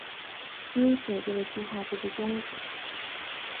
因此这个计划就被终止。